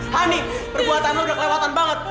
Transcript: honey perbuatan lo udah kelewatan banget